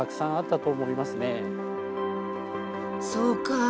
そうか。